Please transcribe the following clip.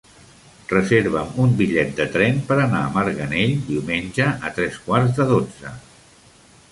Reserva'm un bitllet de tren per anar a Marganell diumenge a tres quarts de dotze.